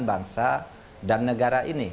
bangsa dan negara ini